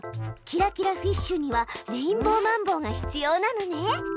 キラキラフィッシュにはレインボーマンボウが必要なのね！